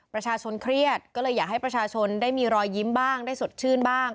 ประชาชนเครียดก็เลยอยากให้ประชาชนได้มีรอยยิ้มบ้างได้สดชื่นบ้าง